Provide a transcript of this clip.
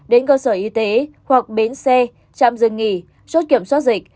đến cơ sở y tế hoặc bến xe trạm dương nghỉ